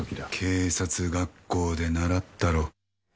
警察学校で習ったろ？